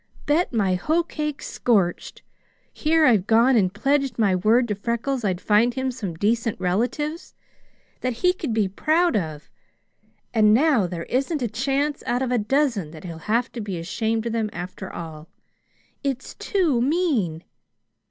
Bet my hoecake's scorched! Here I've gone and pledged my word to Freckles I'd find him some decent relatives, that he could be proud of, and now there isn't a chance out of a dozen that he'll have to be ashamed of them after all. It's too mean!"